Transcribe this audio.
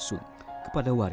kami juga menyediakan